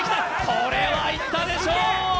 これはいったでしょう！